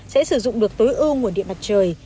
sẽ sử dụng được tối ưu nguồn điện mặt trời